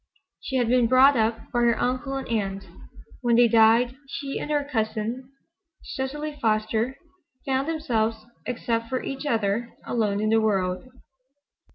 She had been brought up by her uncle and aunt. When they died she and her cousin, Cecily Foster, found themselves, except for each other, alone in the world.